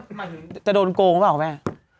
หมายถึงจะโดนโกงหรือเปล่าแม่